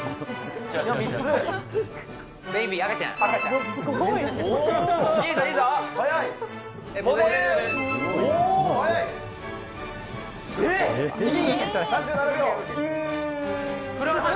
ベイビー、赤ちゃん。